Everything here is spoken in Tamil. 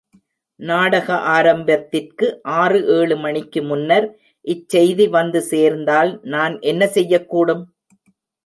நாடக ஆரம்பத்திற்கு ஆறு ஏழு மணிக்கு முன்னர் இச்செய்தி வந்து சேர்ந்தால் நான் என்ன செய்யக்கூடும்?